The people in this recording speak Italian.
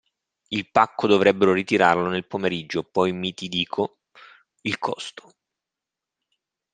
Il pacco dovrebbero ritirarlo nel pomeriggio, poi mi ti dico il costo.